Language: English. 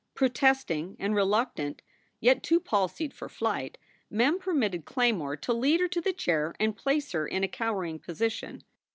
Protesting and reluctant, yet too palsied for flight, Mem permitted Claymore to lead her to the chair and place her in a cowering position.